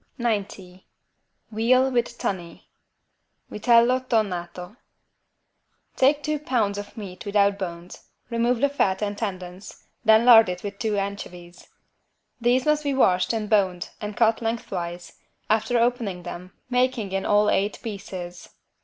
90 VEAL WITH TUNNY (Vitello tonnato) Take two pounds of meat without bones, remove the fat and tendons, then lard it with two anchovies. These must be washed and boned and cut lengthwise, after opening them, making in all eight pieces.